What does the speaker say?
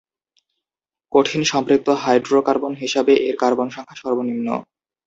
কঠিন সম্পৃক্ত হাইড্রোকার্বন হিসাবে এর কার্বন সংখ্যা সর্বনিম্ন।